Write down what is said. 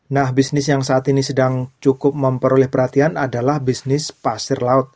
nah bisnis yang saat ini sedang cukup memperoleh perhatian adalah bisnis pasir laut